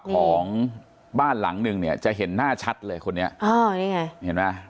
ของบ้านหลังนึงเนี่ยจะเห็นหน้าชัดเลยคนนี้อ๋อนี่ไงเห็นไหม